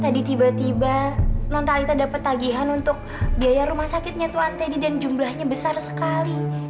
tadi tiba tiba nontalita dapat tagihan untuk biaya rumah sakitnya itu antedi dan jumlahnya besar sekali